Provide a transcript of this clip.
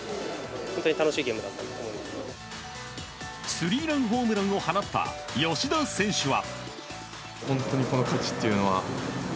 スリーランホームランを放った吉田選手は。